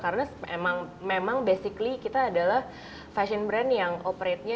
karena memang kita adalah fashion brand yang operate'nya